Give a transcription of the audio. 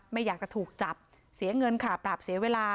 ไม่อยากจะถูกจับเสียเงินค่ะปราบเสียเวลา